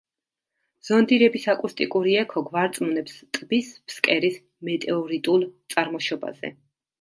ზონდირების აკუსტიკური ექო გვარწმუნებს ტბის ფსკერის მეტეორიტულ წარმოშობაზე.